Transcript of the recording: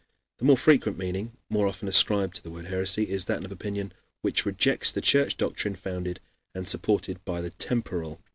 The more frequent meaning, more often ascribed to the word heresy, is that of an opinion which rejects the Church doctrine founded and supported by the temporal authorities.